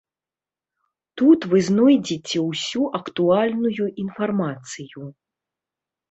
Тут вы знойдзеце ўсю актуальную інфармацыю.